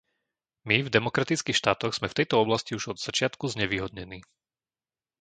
My v demokratických štátoch sme v tejto oblasti už od začiatku znevýhodnení.